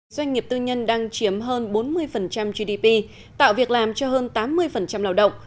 doanh nghiệp tư nhân đang chiếm hơn bốn mươi gdp tạo việc làm cho hơn tám mươi lao động